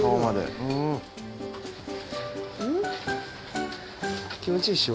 うん？